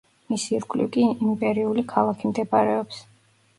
მის ირგვლივ კი იმპერიული ქალაქი მდებარეობს.